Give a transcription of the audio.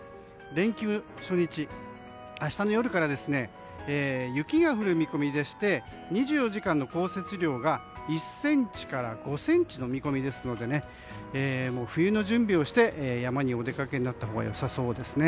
連休初日、明日の夜から雪が降る見込みでして２４時間の降雪量が１ｃｍから５ｃｍの見込みですので冬の準備をして山にお出かけになったほうがよさそうですね。